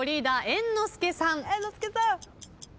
猿之助さん。